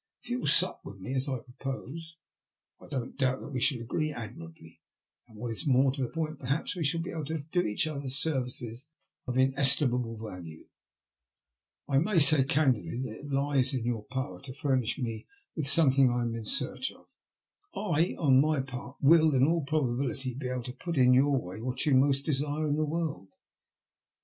If you will sup with me as I propose, I don't doubt but that we shall agree admirably, and what is more to the point, perhaps, we shall be able to do each other services of inestimable value. I may say candidly that it lies in your power to furnish me with something I am in search of. I, on my part, will, in all probability, be able to put in your way what you most desire in the world."